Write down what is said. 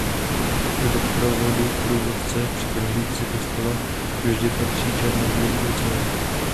K doprovodu průvodce při prohlídce kostela vždy patří černobílý kocour.